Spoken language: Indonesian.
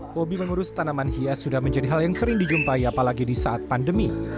hobi mengurus tanaman hias sudah menjadi hal yang sering dijumpai apalagi di saat pandemi